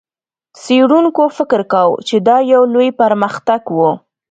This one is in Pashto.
څېړونکو فکر کاوه، چې دا یو لوی پرمختګ و.